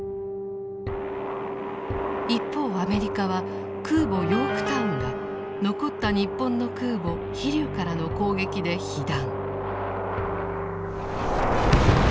一方アメリカは空母「ヨークタウン」が残った日本の空母「飛龍」からの攻撃で被弾。